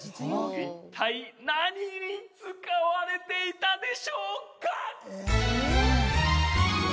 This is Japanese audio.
一体何に使われていたでしょうか？